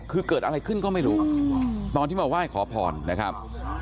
คือเกิดอะไรขึ้นก็ไม่รู้ตอนที่มาไหว้ขอพรนะครับ